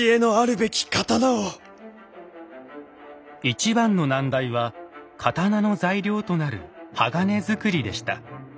一番の難題は刀の材料となる鋼づくりでした。